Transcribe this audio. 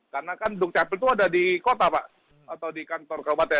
karena kan duk capil itu ada di kota pak atau di kantor kabupaten